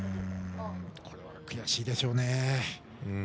これは悔しいでしょうね。